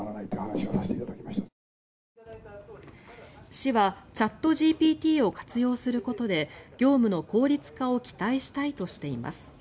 市はチャットＧＰＴを活用することで業務の効率化を期待したいとしています。